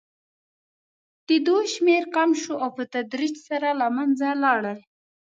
د دوی شمېر کم شو او په تدریج سره له منځه لاړل.